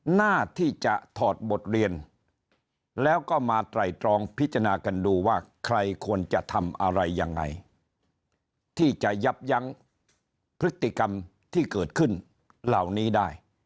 หน้าที่จะถอดบทเรียนแล้วก็มาไตรตรองพิจารณากันดูว่าใครควรจะทำอะไรยังไงที่จะยับยั้งพฤติกรรมที่เกิดขึ้นเหล่านี้ได้